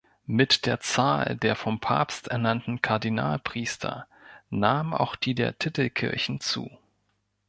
Mit der Zahl der vom Papst ernannten Kardinalpriester nahm auch die der Titelkirchen zu.